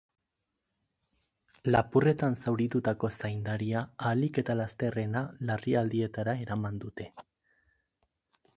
Lapurretan zauritutako zaindaria ahalik eta lasterrena larrialdietara eraman dute.